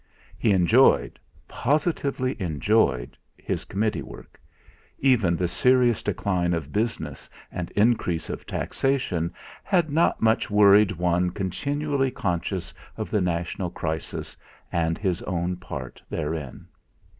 He enjoyed positively enjoyed, his committee work; even the serious decline of business and increase of taxation had not much worried one continually conscious of the national crisis and his own part therein.